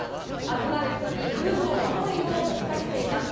集まる人にルールを守るよう呼びかけています。